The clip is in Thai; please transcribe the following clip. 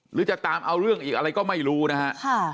หรือจะตามเอาเรื่องอีกอะไรก็ไม่รู้นะฮะ